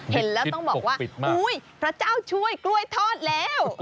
เห็นแล้วต้องบอกว่าอุ๊ยพระเจ้าช่วยกล้วยทอดแล้ว